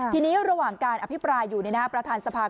ทีนี้ระหว่างการอภิปรายอยู่ประธานสภา